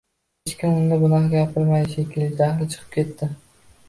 Hech kim unga bunaqa gapirmaydi, shekilli, jahli chiqib ketdi.